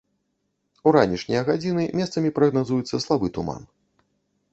У ранішнія гадзіны месцамі прагназуецца слабы туман.